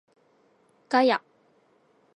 ガヤ